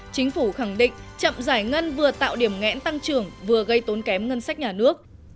chính phủ khẳng định chậm giải ngân vừa tạo điểm ngẽn tăng trưởng vừa gây tốn kém ngân sách nhà nước